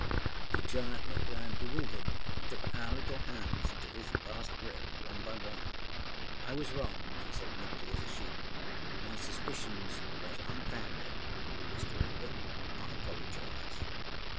â The giant looked round bewildered and took our little hands into his vast grip, one by one. âI was wrong,â he said meekly as a sheep. âMy suspicions was unfounded. Mr. Hooper, I apologise.